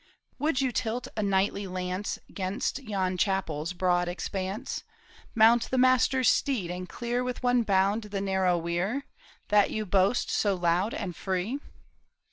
" Would you tilt a knightly lance 'Gainst yon chapel's broad expanse ? Mount the master's steed and clear With one bound the narrow wier, That you boast so loud and free